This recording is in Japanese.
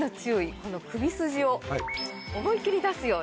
この首筋を思い切り出すように。